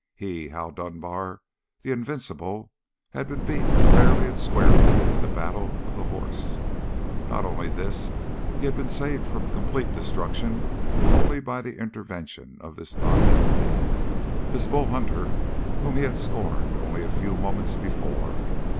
He, Hal Dunbar, the invincible, had been beaten fairly and squarely in the battle with the horse; not only this, he had been saved from complete destruction only by the intervention of this nonentity, this Bull Hunter whom he had scorned only a few moments before.